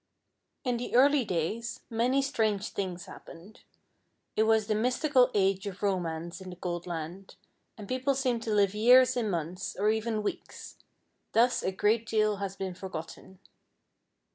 In the early days, many strange things happened. It was the mystical age of romance in the Gold Land, and people seemed to live years in months, or even weeks. Thus a great deal has been forgotten.